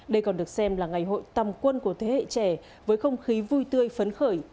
đây còn được xem là ngày hội tâm quân của thế hệ trẻ với không khí vui tươi phấn khởi trên mọi vùng miền